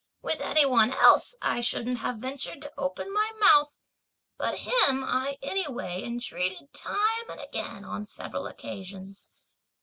With any one else I shouldn't have ventured to open my mouth, but him I anyway entreated time and again on several occasions.